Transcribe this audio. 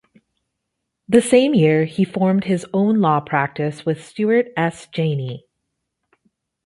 The same year, he formed his own law practice with Stuart S. Janney.